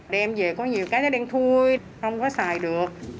đem về có nhiều cái nó đen thui không có xài được